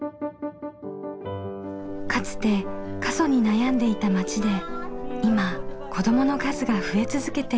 かつて過疎に悩んでいた町で今子どもの数が増え続けています。